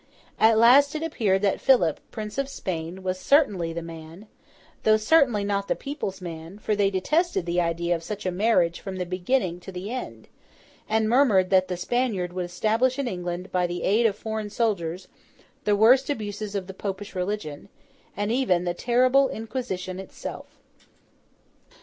At last it appeared that Philip, Prince of Spain, was certainly the man—though certainly not the people's man; for they detested the idea of such a marriage from the beginning to the end, and murmured that the Spaniard would establish in England, by the aid of foreign soldiers, the worst abuses of the Popish religion, and even the terrible Inquisition itself.